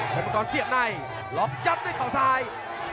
เป็นมังกรเสียบในล็อกยัดด้วยเขาซ้าย